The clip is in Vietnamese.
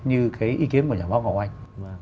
như cái ý kiến của nhà báo ngọc oanh